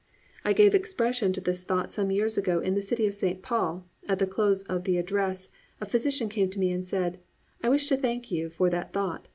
I gave expression to this thought some years ago in the city of St. Paul, and at the close of the address a physician came to me and said, "I wish to thank you for that thought.